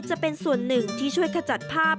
จะเป็นส่วนหนึ่งที่ช่วยขจัดภาพ